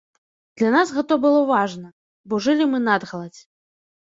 Для нас гэта было важна, бо жылі мы надгаладзь.